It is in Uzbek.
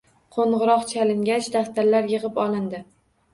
Qo`ng`iroq chalingach, daftarlar yig`ib olindi